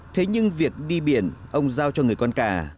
thế nhưng việc đi biển ông giao cho người con cả